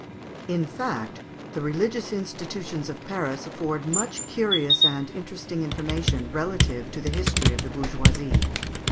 In fact, the religious institutions of Paris afford much curious and interesting information relative to the history of the bourgeoisie.